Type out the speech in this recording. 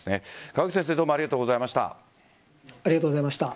川口先生ありがとうございました。